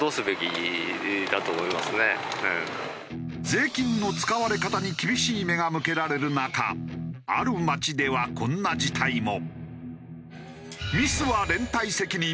税金の使われ方に厳しい目が向けられる中ある街ではこんな事態も。